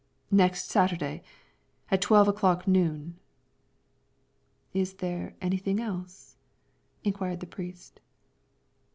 "Next Saturday, at twelve o'clock noon." "Is there anything else?" inquired the priest.